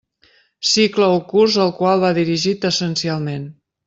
Cicle o curs al qual va dirigit essencialment.